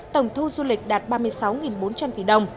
tổng thu du lịch đạt ba mươi sáu bốn trăm linh tỷ đồng